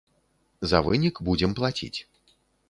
За вынік будзем плаціць.